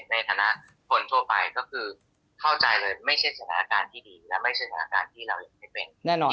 ในฐานะคนทั่วไปก็คือเข้าใจเลยไม่ใช่สถานการณ์ที่ดีและไม่ใช่สถานการณ์ที่เรายังไม่เป็นแน่นอน